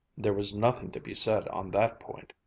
There was nothing to be said on that point.